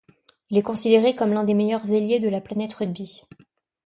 Il est considéré comme l'un des meilleurs ailiers de la planète rugby.